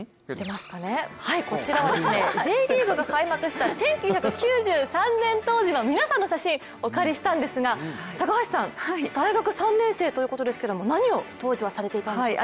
Ｊリーグが開幕した１９９３年当時の皆さんの写真をお借りしたんですが高橋さん、大学３年生ということですけれども何をされていたんですか？